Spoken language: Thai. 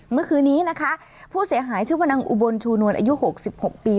เมื่อคืนนี้นะคะผู้เสียหายชื่อว่านางอุบลชูนวลอายุ๖๖ปี